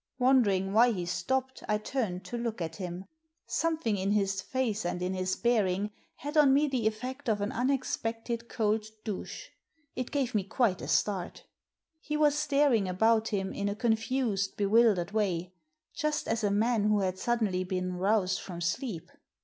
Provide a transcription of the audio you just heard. Wondering why he stopped, I turned to look at him. Something in his face and in his bearing had on me the effect of an unexpected cold douche — it gave me quite a start He was staring about him in a confused, bewildered way — just as a man who had suddenly been roused from sleep.